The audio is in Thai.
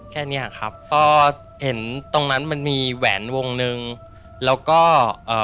แค่เนี้ยครับพอเห็นตรงนั้นมันมีแหวนวงหนึ่งแล้วก็เอ่อ